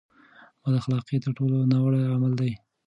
بد اخلاقي تر ټولو ناوړه عمل دی.